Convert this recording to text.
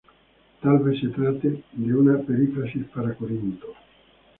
Tal vez se trate de una perífrasis para Corinto.